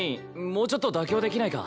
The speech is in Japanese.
もうちょっと妥協できないか？